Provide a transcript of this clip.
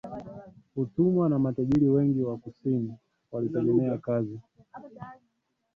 utumwa na matajiri wengi wa kusini walitegemea kazi